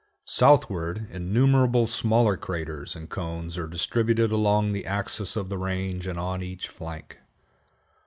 Southward innumerable smaller craters and cones are distributed along the axis of the range and on each flank.